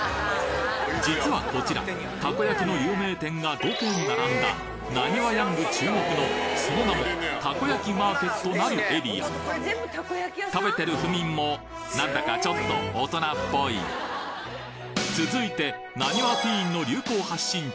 実はこちらたこ焼きの有名店が５軒並んだナニワヤング注目のその名もたこ焼きマーケットなるエリア食べてる府民もなんだかちょっと大人っぽい続いてナニワティーンの流行発信地